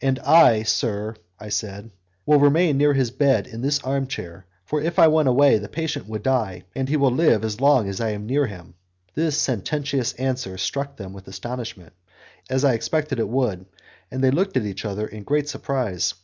"And I, sir," I said, "will remain near his bed in this arm chair, for if I went away the patient would die, and he will live as long as I am near him." This sententious answer struck them with astonishment, as I expected it would, and they looked at each other in great surprise.